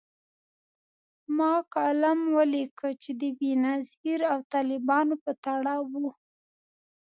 ما کالم ولیکه چي د بېنظیر او طالبانو په تړاو و